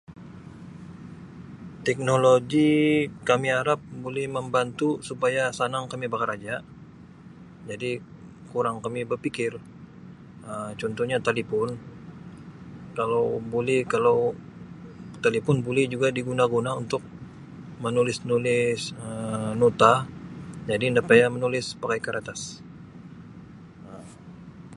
Teknologi kami harap buli membantu supaya sanang kami bakaraja jadi kurang kami bapikir Um contohnya tadi pun kalau boleh kalau telepon buli juga diguna-guna untuk menulis-nulis Um nota jadi nda payah menulis pakai karatas Um.